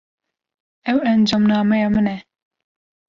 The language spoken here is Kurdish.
Ev encamnameya min e.